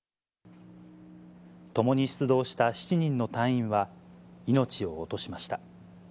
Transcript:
共に出動した７人の隊員は、命を落としました。